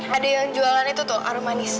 ada yang jualan itu tuh aru manis